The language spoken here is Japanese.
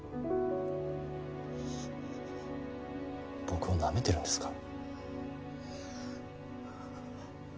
僕をなめてるんですか？